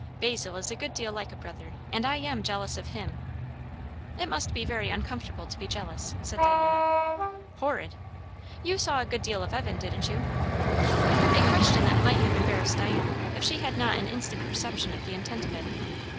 Basil is a good deal like a brother, and I am jealous of him." "It must be very uncomfortable to be jealous," said Diana, "Horrid! You saw a good deal of Evan, didn't you?" A question that might have embarrassed Diana if she had not had an instant perception of the intent of it.